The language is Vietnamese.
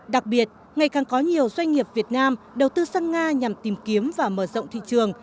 đặc biệt ngày càng có nhiều doanh nghiệp việt nam đầu tư sang nga nhằm tìm kiếm và mở rộng thị trường